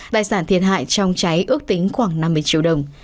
tài sản thiệt hại trong cháy ước tính khoảng năm mươi triệu đồng